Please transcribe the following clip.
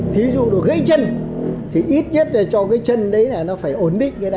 thí dụ được gây chân thì ít nhất là cho cái chân đấy là nó phải ổn định cái đó